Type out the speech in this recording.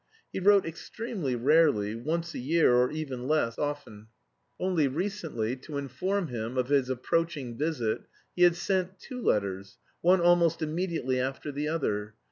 He wrote extremely rarely, once a year, or even less often. Only recently, to inform him of his approaching visit, he had sent two letters, one almost immediately after the other.